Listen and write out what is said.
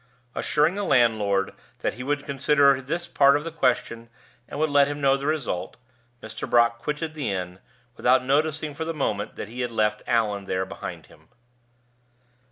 Assuring the landlord that he would consider this part of the question and would let him know the result, Mr. Brock quitted the inn, without noticing for the moment that he had left Allan there behind him.